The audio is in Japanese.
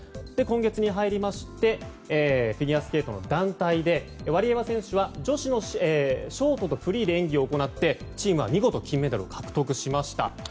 今月に入りましてフィギュアスケートの団体でワリエワ選手は女子のショートとフリーで演技を行って、チームは見事金メダルを獲得しました。